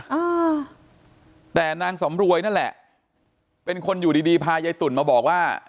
อ่าแต่นางสำรวยนั่นแหละเป็นคนอยู่ดีดีพายายตุ่นมาบอกว่า